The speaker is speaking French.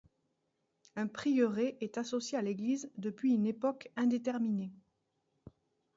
Un prieuré est associé à l'église depuis une époque indéterminée.